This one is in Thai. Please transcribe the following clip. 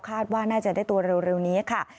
คาดว่าน่าจะได้ตัวเร็วนี้ค่ะ